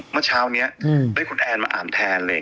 มาเช้านี้ได้คุณแอนด์มาอ่านแทน